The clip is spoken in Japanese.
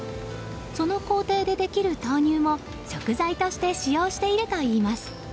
その工程でできる豆乳も食材として使用しているといいます。